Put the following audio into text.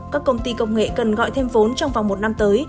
các công ty công nghệ cần gọi thêm vốn trong vòng một năm tới